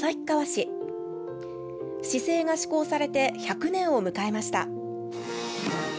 市制が施行されて１００年を迎えました。